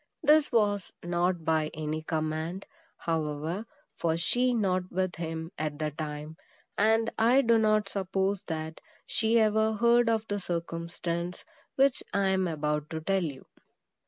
This was not by any command, however, for she was not with him at the time, and I do not suppose that she ever heard of the circumstance which I am about to tell you.